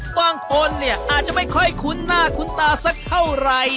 บางคนเนี่ยอาจจะไม่ค่อยคุ้นหน้าคุ้นตาสักเท่าไหร่